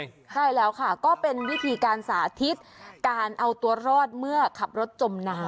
ใช่แล้วค่ะก็เป็นวิธีการสาธิตการเอาตัวรอดเมื่อขับรถจมน้ำ